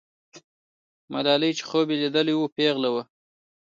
ملالۍ چې خوب یې لیدلی وو، پیغله وه.